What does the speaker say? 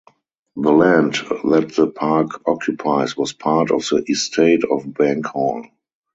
The land that the park occupies was part of the estate of Bank Hall.